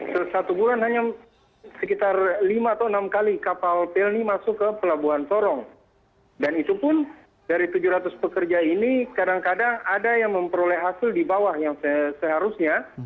selama ini dalam perkembangannya selama ini dalam perkembangannya